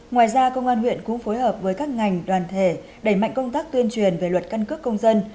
ngoài ra công an huyện cũng phối hợp với các ngành đoàn thể đẩy mạnh công tác tuyên truyền về luật căn cước công dân